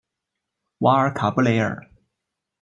瓦尔卡布雷尔。